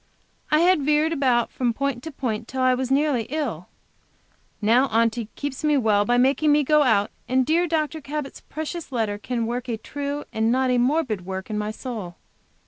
I had veered about from point to point till I was nearly ill. Now Aunty keeps me well by making me go out, and dear Dr. Cabot's precious letter can work a true and not a morbid work in my soul.